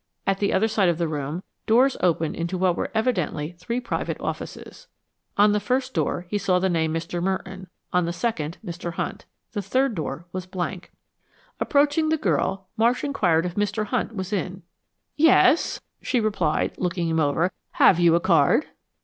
At the other side of the room, floors opened into what were evidently three private offices. On the first door he saw the name, Mr. Merton; on the second, Mr. Hunt. The third door was blank. Approaching the girl, Marsh inquired if Mr. Hunt was in. "Yes," she replied, looking him over. "Have you a card?"